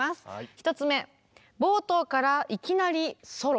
１つ目「冒頭からいきなりソロ」。